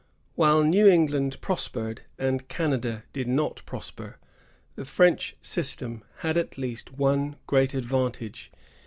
While New England prospered and Canada did not prosper, the French system had at least one great advantage.